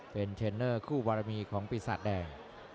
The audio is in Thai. เป็นเทรนเนอร์คู่บารมีของปีศาจแดง